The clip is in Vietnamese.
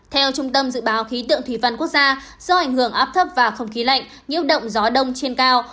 theo trung tâm dự báo khí tượng thủy văn quốc gia do ảnh hưởng áp thấp và không khí lạnh nhiễu động gió đông trên cao